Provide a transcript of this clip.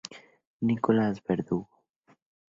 Nicolás Verdugo.